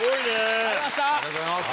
ありがとうございます。